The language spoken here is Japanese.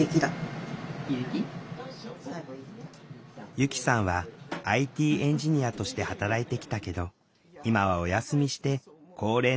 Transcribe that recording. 由希さんはＩＴエンジニアとして働いてきたけど今はお休みして高齢の母を手伝っている。